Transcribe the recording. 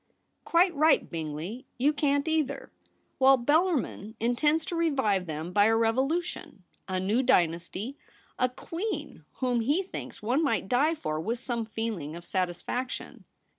' Quite right, Bingley ; you can't either. Well, Bellarmin intends to revive them by a revolution, a new dynasty — a queen whom he thinks one might die for with some feeling of satisfaction.